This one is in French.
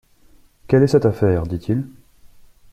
Quelle est cette affaire ? dit-il.